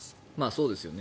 そうですよね。